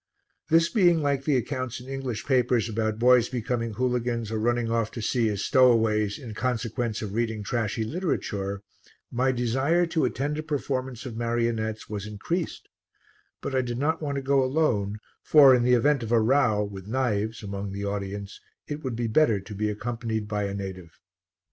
This being like the accounts in English papers about boys becoming hooligans or running off to sea as stowaways in consequence of reading trashy literature, my desire to attend a performance of marionettes was increased, but I did not want to go alone for, in the event of a row, with knives, among the audience it would be better to be accompanied by a native.